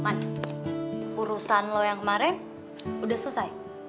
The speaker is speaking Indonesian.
urusan lo yang kemarin udah selesai